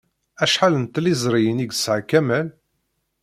Acḥal n tliẓriyin ay yesɛa Kamal?